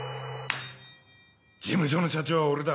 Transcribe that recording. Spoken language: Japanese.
事務所の社長は俺だ。